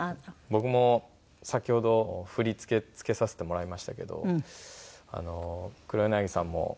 僕も先ほど振り付けつけさせてもらいましたけど黒柳さんも踊れたので。